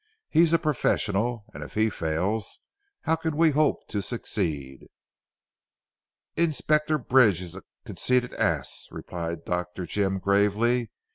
He is a professional, and if he fails, how can we hope to succeed?" "Inspector Bridge is a conceited ass," replied Dr. Jim gravely.